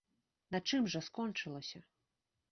На чым жа скончылася?